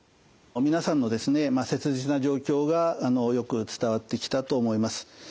皆さんの切実な状況がよく伝わってきたと思います。